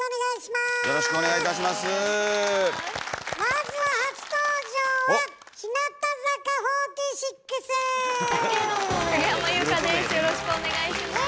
まずはよろしくお願いします。